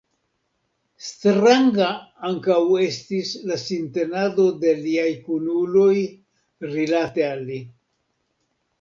Stranga ankaŭ estis la sintenado de liaj kunuloj rilate al li.